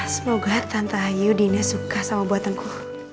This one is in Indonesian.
semoga tante ayu dan dina suka sama buatanku